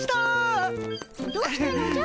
どうしたのじゃ？